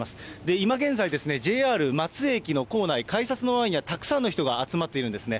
今現在ですね、ＪＲ松江駅の構内、改札の前にはたくさんの人が集まっているんですね。